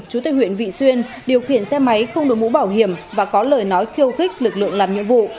chủ tịch huyện vị xuyên điều khiển xe máy không đối mũ bảo hiểm và có lời nói khiêu khích lực lượng làm nhiệm vụ